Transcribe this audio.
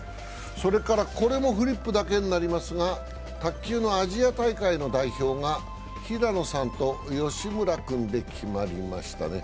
それから、これもフリップだけになりますが、卓球のアジア大会の代表が平野さんと吉村君で決まりましたね。